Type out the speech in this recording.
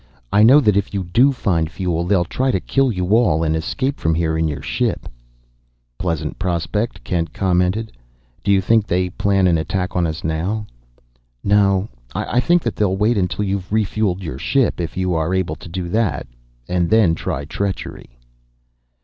I know that if you do find fuel, they'll try to kill you all and escape from here in your ship." "Pleasant prospect," Kent commented. "Do you think they plan an attack on us now?" "No; I think that they'll wait until you've refueled your ship, if you are able to do that, and then try treachery."